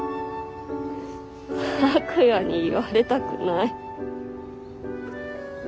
拓哉に言われたくない。